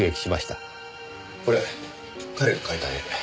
これ彼が描いた絵。